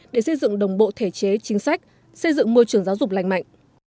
để xây dựng đồng bộ thể chế chính sách xây dựng môi trường giáo dục lành mạnh